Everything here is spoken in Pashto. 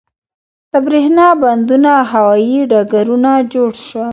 د بریښنا بندونه او هوایی ډګرونه جوړ شول.